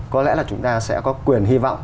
có lẽ là chúng ta sẽ có quyền hy vọng